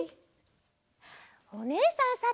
おねえさん